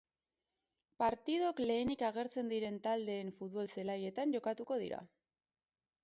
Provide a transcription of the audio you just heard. Partidok lehenik agertzen diren taldeen futbol-zelaietan jokatuko dira.